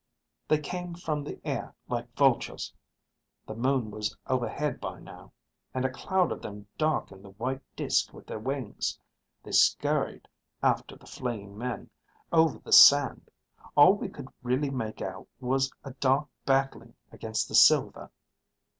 They came from the air like vultures. The moon was overhead by now, and a cloud of them darkened the white disk with their wings. They scurried after the fleeing men, over the sand. All we could really make out was a dark battling against the silver.